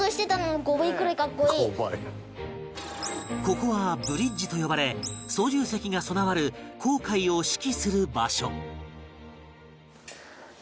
ここはブリッジと呼ばれ操縦席が備わる航海を指揮する場所